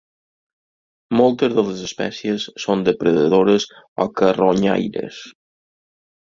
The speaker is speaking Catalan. Moltes de les espècies són depredadores o carronyaires.